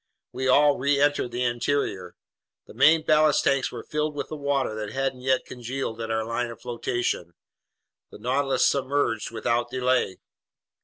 We all reentered the interior. The main ballast tanks were filled with the water that hadn't yet congealed at our line of flotation. The Nautilus submerged without delay.